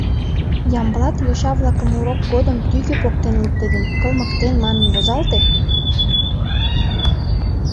«Ямблат йоча-влакым урок годым тӱгӧ поктен луктеден, кылмыктен» манын возалте.